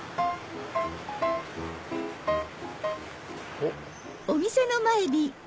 おっ。